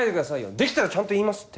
できたらちゃんと言いますって。